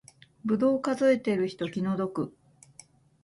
ぶどう数えてる人気の毒